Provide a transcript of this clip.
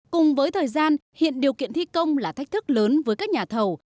cùng với thời gian hiện điều kiện thi công là thách thức lớn với các nhà thầu